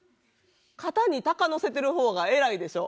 肩に鷹乗せてる方が偉いでしょ。